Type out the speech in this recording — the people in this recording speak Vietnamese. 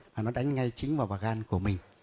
và nó đánh ngay chính vào vào gan của mình